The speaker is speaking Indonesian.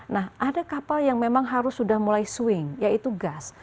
nah ada kapal yang memang harus sudah mulai swing yaitu gas